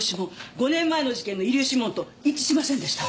５年前の事件の遺留指紋と一致しませんでした。